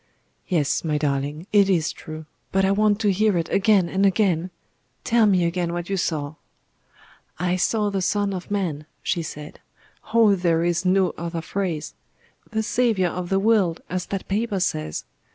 "Yes, my darling; it is true. But I want to hear it again and again. Tell me again what you saw." "I saw the Son of Man," she said. "Oh! there is no other phrase. The Saviour of the world, as that paper says.